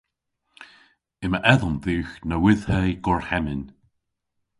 Yma edhomm dhywgh nowydhhe gorhemmyn.